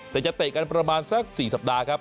แต่จะเตะกันประมาณสัก๔สัปดาห์ครับ